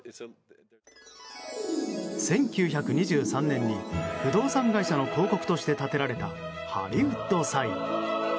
１９２３年に不動産会社の広告として立てられたハリウッド・サイン。